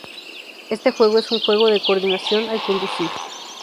Este juego es un juego de coordinación al conducir.